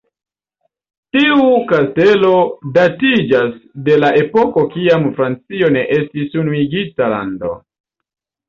Tiu kastelo datiĝas de la epoko kiam Francio ne estis unuigita lando.